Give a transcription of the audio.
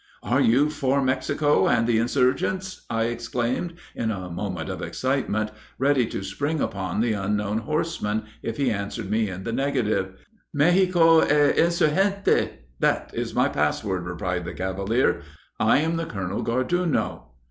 "'Are you for Mexico and the Insurgents?' I exclaimed in a moment of excitement, ready to spring upon the unknown horseman, if he answered me in the negative." "'Mexico e Insurgente that is my password, replied the cavalier. 'I am the Colonel Garduno.'"